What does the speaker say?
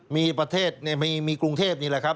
มีประเทศมีกรุงเทพนี่แหละครับ